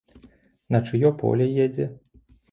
На чыё поле едзе?